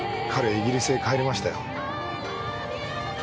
イギリスへ帰りましたよ。